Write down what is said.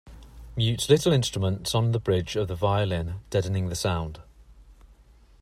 Mutes little instruments on the bridge of the violin, deadening the sound.